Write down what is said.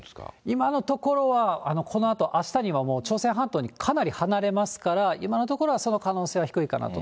今のところは、このあとあしたには朝鮮半島にかなり離れますから、今のところはその可能性は低いかなと。